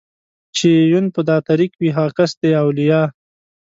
چې يې يون په دا طريق وي هغه کس دئ اوليا